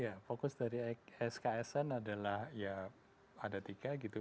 ya fokus dari sksn adalah ya ada tiga gitu